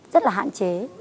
rất là hạn chế